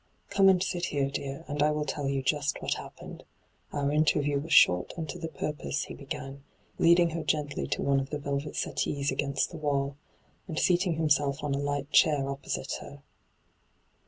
' Come and sit here, dear, and I will tell you just what happened. Our interview was short and to the purpose,' he began, leading her gently to one of the velvet settees against the wall, and seating himself on a light chair opposite her.